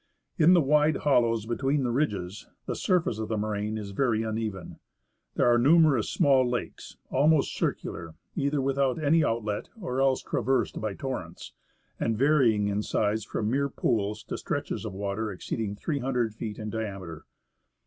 In the wide hollows between the ridges, the surface of the moraine is very uneven. There are numerous small lakes, almost circular, either without any outlet or else traversed by torrents, and varying in size from mere pools to stretches of water exceeding 300 feet in diameter.